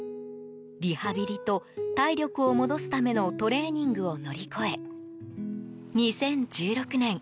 リハビリと体力を戻すためのトレーニングを乗り越え２０１６年